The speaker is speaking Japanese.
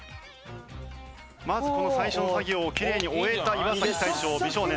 まずこの最初の作業をきれいに終えた岩大昇美少年です。